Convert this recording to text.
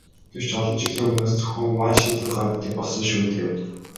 Гэвч олон жилийн өмнөөс зөвхөн ван шийдвэр гаргадаг болсон шүү дээ.